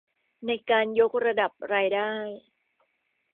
ในการยกระดับรายได้